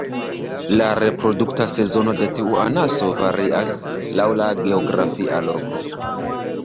La reprodukta sezono de tiu anaso varias laŭ la geografia loko.